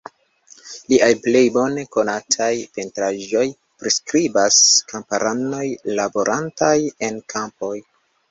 Liaj plej bone konataj pentraĵoj priskribas kamparanoj laborantaj en kampoj.